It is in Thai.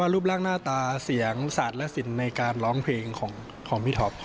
รูปร่างหน้าตาเสียงศาสตร์และสินในการร้องเพลงของพี่ท็อป